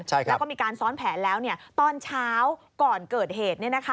แล้วก็มีการซ้อนแผนแล้วตอนเช้าก่อนเกิดเหตุ